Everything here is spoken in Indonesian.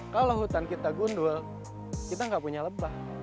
kalau hutan kita gundul kita nggak punya lebah